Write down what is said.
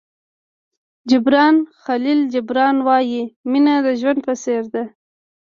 جبران خلیل جبران وایي مینه د ژوند په څېر ده.